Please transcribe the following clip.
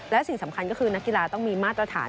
และสิ่งสำคัญก็คือนักกีฬาต้องมีมาตรฐาน